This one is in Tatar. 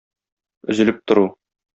Өзелеп тору.